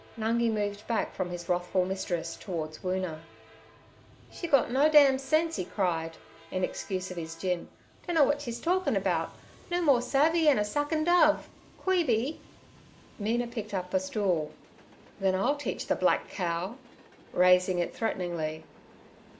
Nungi moved back from his wrathful mistress towards Woona. 'She's got no dam sense' he cried, in excuse of his gin; 'dunno wot she's torkin' about—no more savvey 'en a suckin' dove. Queeby—' Mina picked up a stool. 'Then I'll teach the black cow'—raising it threateningly.